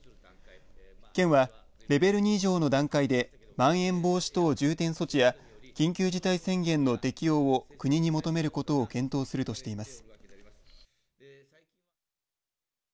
県は、レベル２以上の段階でまん延防止等重点措置や緊急事態宣言の適用を国に求めることを検討するとしています。